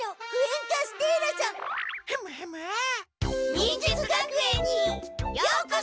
忍術学園にようこそ！